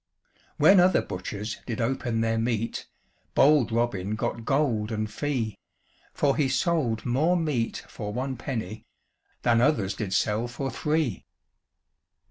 When other butchers did open their meat, Bold Robin got gold and fee, For he sold more meat for one penny Than others did sell for three.